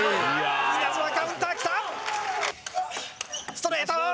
ストレート！